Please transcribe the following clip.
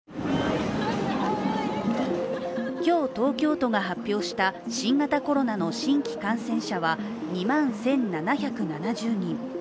今日、東京都が発表した新型コロナの新規感染者は２万１７７０人。